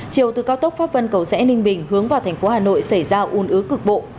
chiều từ cao tốc pháp vân cầu sẽ ninh bình hướng vào thành phố hà nội xảy ra ồn ứ cực bộ